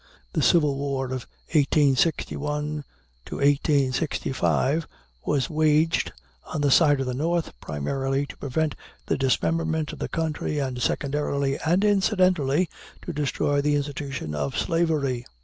The civil war of 1861 65 was waged, on the side of the North, primarily, to prevent the dismemberment of the country, and, secondarily and incidentally, to destroy the institution of slavery.